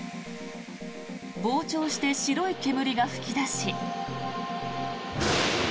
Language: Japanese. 膨張して白い煙が噴き出し。